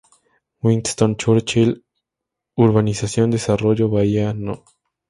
Winston Churchill, Urbanización Desarrollo Bahía No.